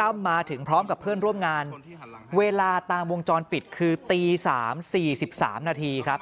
ตั้มมาถึงพร้อมกับเพื่อนร่วมงานเวลาตามวงจรปิดคือตี๓๔๓นาทีครับ